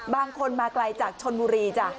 บางคนมาไกลจากชนบุรีจ้ะ